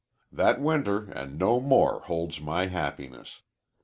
"That winter and no more holds my happiness.